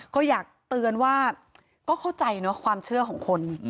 ก็อยากเตือนว่าก็เข้าใจเนอะความเชื่อของคน